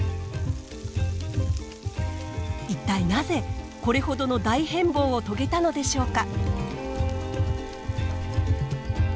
一体なぜこれほどの大変貌を遂げたのでしょうか。